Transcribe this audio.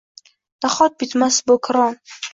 Nahot, bitmas bu kiron?